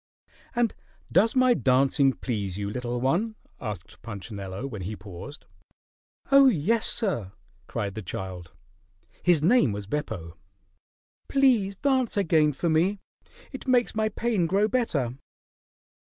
"And does my dancing please you, little one?" asked Punchinello when he paused. "Oh, yes, sir!" cried the child. His name was Beppo. "Please dance again for me. It makes my pain grow better."